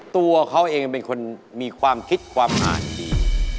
ตัวเขาเองเป็นคนมีความคิดความอ่านดี